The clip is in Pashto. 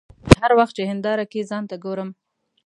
هر وخت چې هنداره کې ځان ته ګورم.